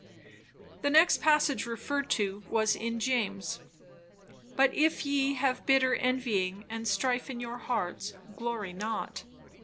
The next passage referred to was in James. "But if ye have bitter envying and strife in your hearts, glory not...